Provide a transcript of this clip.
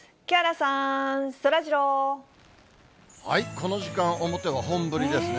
この時間、表は本降りですね。